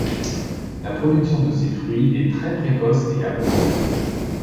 La production de ses fruits est très précoce et abondante.